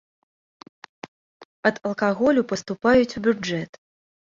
Ад алкаголю паступаюць у бюджэт.